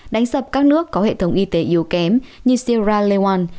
đánh sập các nước có hệ thống y tế yếu kém như sierra leone